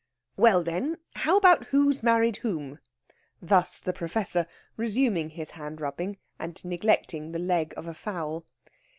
"Well, then, how about who's married whom?" Thus the Professor, resuming his hand rubbing, and neglecting the leg of a fowl.